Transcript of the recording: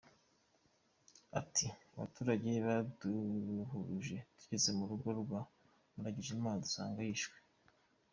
Ati “Abaturage baduhuruje tugeze mu rugo rwa Muragijimana dusanga yishwe.